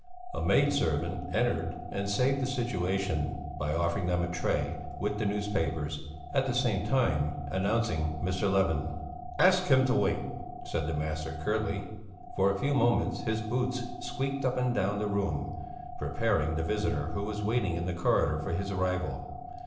A maid servant entered and saved the situation by offering them a tray with the newspapers, at the same time announcing Mr. Levin. "Ask him to wait," said the master curtly. For a few moments his boots squeaked up and down the room, preparing the visitor who was waiting in the corridor for his arrival.